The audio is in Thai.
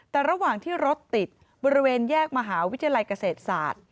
แต่ระหว่างที่รถติดบริเวณแยกมหาวิทยาลัยเกษตรศาสตร์